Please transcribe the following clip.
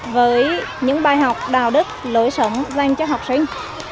với những bài học đạo đức lối sống dành cho học sinh